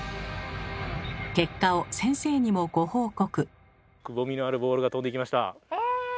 結果を先生にもご報告。